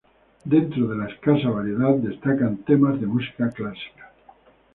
Dentro de la escasa variedad, destacan temas de música clásica.